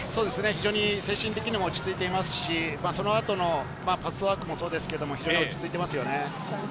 非常に精神的にも落ち着いていますし、その後のパスワークもそうですけど、非常に落ち着いてますね。